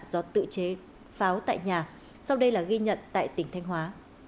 do tự chế pháo tại nhà sau đây là ghi nhận tại tỉnh thanh hóa